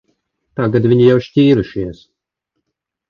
Tagad viņi jau šķīrušies.